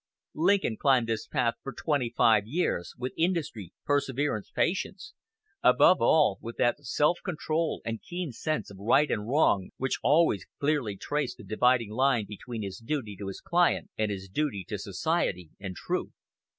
Lincoln climbed this path for twenty five years, with industry, perseverance, patience above all, with that self control and keen sense of right and wrong which always clearly traced the dividing line between his duty to his client and his duty to society and truth.